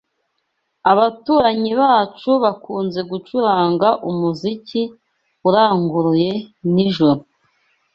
Abaturanyi bacu bakunze gucuranga umuziki uranguruye nijoro.